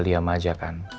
diam aja kan